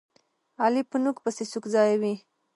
علي په نوک پسې سوک ځایوي.